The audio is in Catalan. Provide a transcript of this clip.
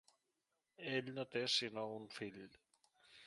Ell no té sinó un fill.